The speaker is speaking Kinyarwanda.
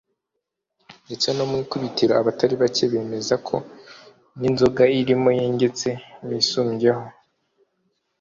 ndetse mu ikubitiro abatari bake bemezaga ko n’inzoga irimo yengetse bisumbyeho